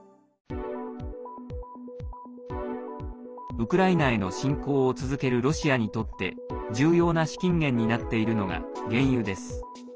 ウクライナへの侵攻を続けるロシアにとって重要な資金源になっているのが原油です。